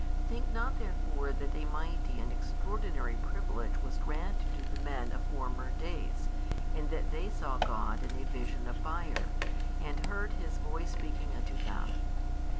Think not therefore that a mighty and extraordinary privilege was granted to the men of former days, in that they saw God in a vision of fire, and heard His voice speaking unto them.